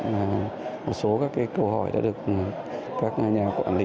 một số các câu hỏi đã được các nhà quản lý